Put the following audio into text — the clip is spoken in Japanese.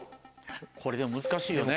これでも難しいよね。